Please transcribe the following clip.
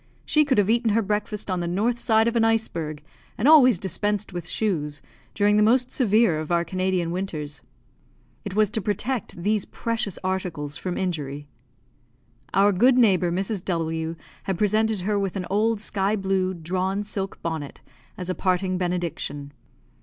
She could have eaten her breakfast on the north side of an iceberg, and always dispensed with shoes, during the most severe of our Canadian winters. It was to protect these precious articles from injury. Our good neighbour, Mrs. W , had presented her with an old sky blue drawn silk bonnet, as a parting benediction.